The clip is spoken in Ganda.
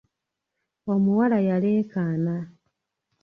Omuwala yaleekaana.